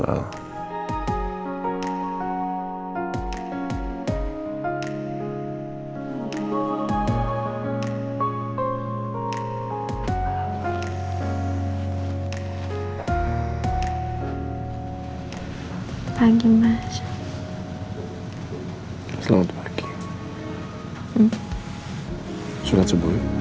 selamat pagi mas